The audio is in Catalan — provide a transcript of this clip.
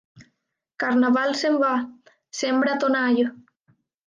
Carnaval se'n va, sembra ton all.